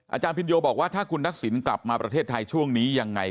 อาจารย์พินโยบอกว่าถ้าคุณทักษิณกลับมาประเทศไทยช่วงนี้ยังไง